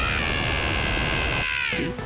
えっ？